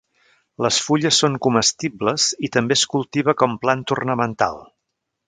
Les fulles són comestibles i també es cultiva com planta ornamental.